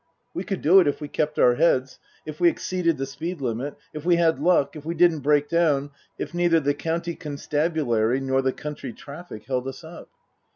We could do it if we kept our heads ; if we exceeded the speed limit ; if we had luck ; if we didn't break down ; if neither the county constabulary nor the country traffic held us up.